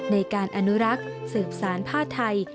ในการอนุรักษ์สืบสารผ้าไทย